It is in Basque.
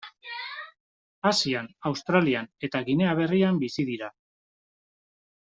Asian, Australian eta Ginea Berrian bizi dira.